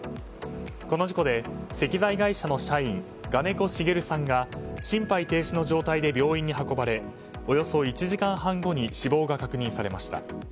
この事故で石材会社の社員我如古成さんが心肺停止の状態で病院に運ばれおよそ１時間半後に死亡が確認されました。